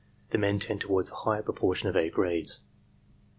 The men tend toward a higher pro portion of A grades.